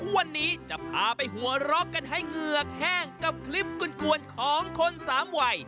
วันนี้จะพาไปหัวเราะกันให้เหงือกแห้งกับคลิปกลวนของคนสามวัย